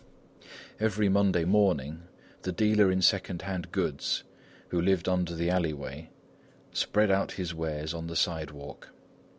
Every Monday morning, the dealer in second hand goods, who lived under the alley way, spread out his wares on the sidewalk.